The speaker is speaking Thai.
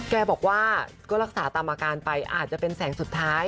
แกบอกว่าก็รักษาตามอาการไปอาจจะเป็นแสงสุดท้าย